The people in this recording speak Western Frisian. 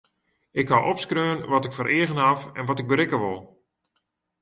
Ik haw opskreaun wat ik foar eagen haw en wat ik berikke wol.